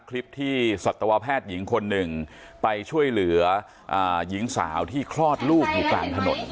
คลิปที่สัตวแพทย์หญิงคนหนึ่งไปช่วยเหลือหญิงสาวที่คลอดลูกอยู่กลางถนน